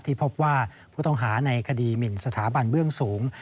พบว่าผู้ต้องหาในคดีหมินสถาบันเบื้องสูง